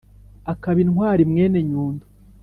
Akaba intwari Mwene Nyundo